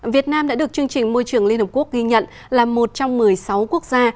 việt nam đã được chương trình môi trường liên hợp quốc ghi nhận là một trong một mươi sáu quốc gia